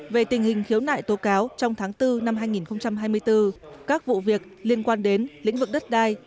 về tình hình khiếu nại tố cáo trong tháng bốn năm hai nghìn hai mươi bốn các vụ việc liên quan đến lĩnh vực đất đai